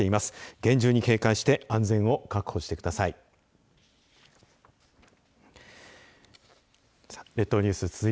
厳重に警戒して安全を確保してください。